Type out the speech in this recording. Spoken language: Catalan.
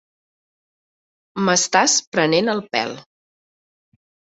M'estàs prenent el pèl.